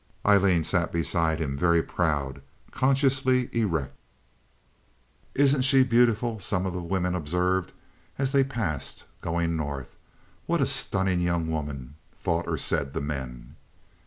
Aileen sat beside him, very proud, consciously erect. "Isn't she beautiful?" some of the women observed, as they passed, going north. "What a stunning young woman!" thought or said the men.